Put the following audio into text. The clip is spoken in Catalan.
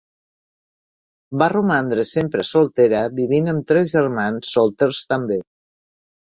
Va romandre sempre soltera vivint amb tres germans solters també.